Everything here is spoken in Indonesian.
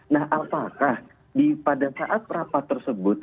nah apakah pada saat rapat tersebut